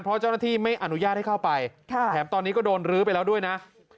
เพราะเจ้าหน้าที่ไม่อนุญาตให้เข้าไปแถมตอนนี้ก็โดนรื้อไปแล้วด้วยนะ